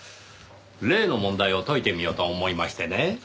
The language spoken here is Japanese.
例の問題を解いてみようと思いましてね。